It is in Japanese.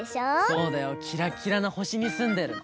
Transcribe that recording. そうだよキラキラのほしにすんでるの！